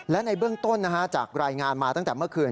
และในเบื้องต้นจากรายงานมาตั้งแต่เมื่อคืน